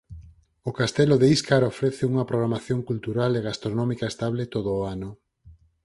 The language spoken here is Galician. O castelo de Íscar ofrece unha programación cultural e gastronómica estable todo o ano.